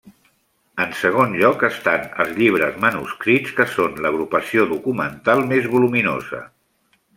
En segon lloc estan els llibres manuscrits, que són l'agrupació documental més voluminosa.